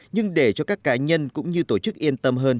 nhưng để cho các cá nhân cũng như tổ chức yên tâm hơn